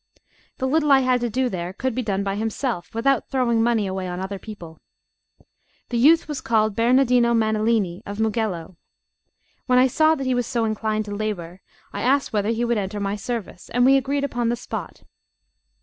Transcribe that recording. The little I had to do there could be done by himself, without throwing money away on other people. The youth was called Bernardino Mannellini, of Mugello. When I saw that he was so inclined to labour, I asked whether he would enter my service, and we agreed upon the spot.